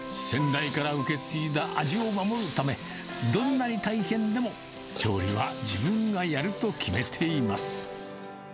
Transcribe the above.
先代から受け継いだ味を守るため、どんなに大変でも、調理は自分がやると決めています。